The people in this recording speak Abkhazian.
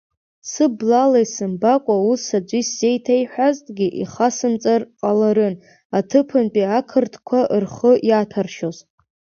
Сыблала исымбакәа, ус аӡәы исзеиҭеиҳәазҭгьы ихасымҵар ҟаларын аҭыԥантәи ақырҭқәа рхы иаҭәаршьоз.